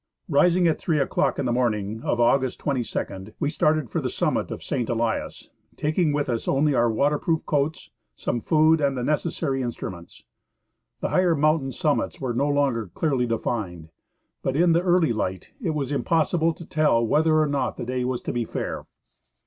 Rising at three o'clock on the morning of August 22, we started for the summit of St. Elias, taking with us only our water proof coats, some food, and the necessary instruments. The higher mountain summits were no longer clearly defined, but in the early light it was impossible to tell whether or not the day was to be fair.